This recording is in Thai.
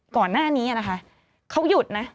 ก่อนหน้านี้นะคะเขาหยุดนะ